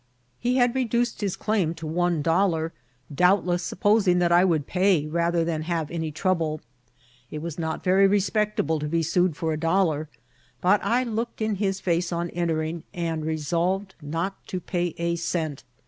He had reduced his claim to one dollar, doubtless supposing that I would pay that rather than have any trouble. It was not very respectable to be sued for a dollar ; but I looked in his face on entering, and resolved not to pay a cent.